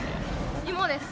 芋です。